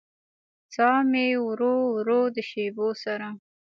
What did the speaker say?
ساه مې ورو ورو د شېبو سره